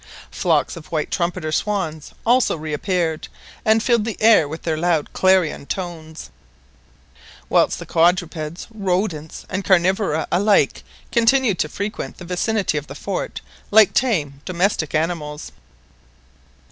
Flocks of white trumpeter swans also reappeared, and filled the air with their loud clarion tones; whilst the quadrupeds, rodents, and carnivora alike continued to frequent the vicinity of the fort like tame domestic animals.